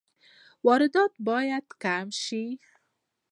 واردات باید کم شي